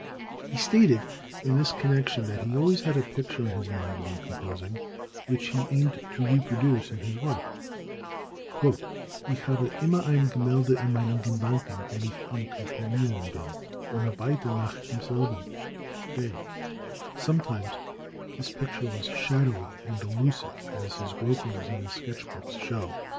He stated in this connection that he always had a picture in his mind when composing, which he aimed to reproduce in his work. "Ich habe immer ein Gemälde in meinen Gedanken wenn ich am componiren bin, und arbeite nach demselben" (Thayer). Sometimes this picture was shadowy and elusive, as his gropings in the sketch books show.